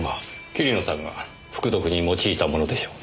桐野さんが服毒に用いたものでしょうね。